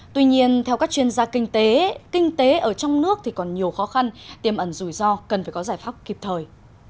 tuy nhiên theo các chuyên gia kinh tế kinh tế ở trong nước thì còn nhiều khó khăn tiềm ẩn rủi ro cần phải có giải pháp kịp thời